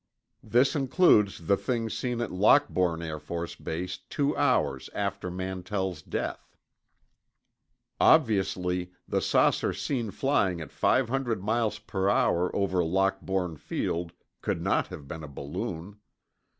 This includes the thing seen at Lockbourne Air Force Base two hours after Mantell's death. Obviously, the saucer seen flying at 500 m.p.h. over Lockbourne Field could not have been a balloon.